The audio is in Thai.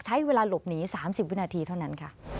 ใช้เวลาหลบหนี๓๐วินาทีเท่านั้นค่ะ